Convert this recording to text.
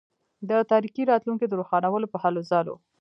د تاریکي راتلونکي د روښانولو په هلوځلو.